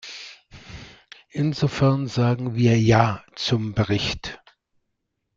Insofern sagen wir ja zum Bericht.